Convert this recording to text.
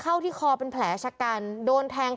เพราะถูกทำร้ายเหมือนการบาดเจ็บเนื้อตัวมีแผลถลอก